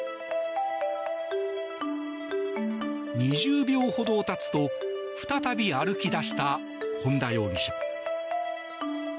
２０秒ほどたつと再び歩き出した本田容疑者。